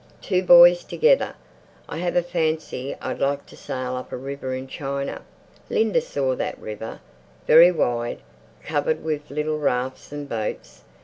Two boys together. I have a fancy I'd like to sail up a river in China." Linda saw that river, very wide, covered with little rafts and boats.